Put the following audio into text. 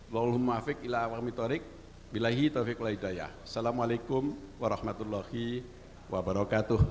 wa alaikumussalam warahmatullahi wabarakatuh